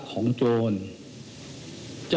ทั้งคู่นะครับทั้งคู่นะครับ